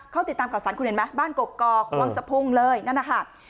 เขาติดตามข่าวสารคุณเห็นไหมบ้านกกอกวังสะพุงเลยนั่นนะคะ